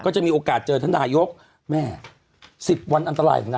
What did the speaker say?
วันนี้ก็ถือว่า๙วันอันตราย๗